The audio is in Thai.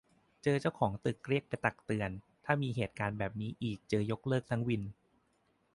เจอเจ้าของตึกเรียกไปตักเตือน ถ้ามีเหตุการณ์แบบนี้อีกเจอยกเลิกทั้งวิน